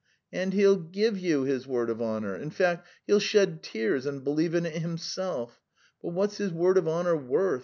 "And he'll give you his word of honour in fact, he'll shed tears and believe in it himself; but what's his word of honour worth?